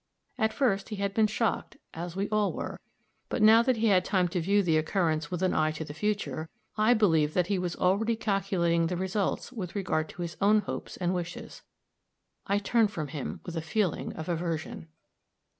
At first he had been shocked, as we all were; but now that he had time to view the occurrence with an eye to the future, I believed that he was already calculating the results with regard to his own hopes and wishes. I turned from him with a feeling of aversion.